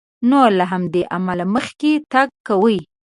نو له همدې امله مخکې تګ کوي.